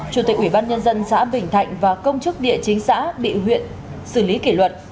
chủ tịch ubnd xã bình thạnh và công chức địa chính xã bị huyện xử lý kỷ luật